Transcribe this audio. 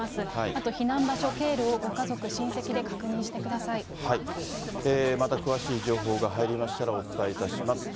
あと避難場所、経路をご家族、親また詳しい情報が入りましたら、お伝えいたします。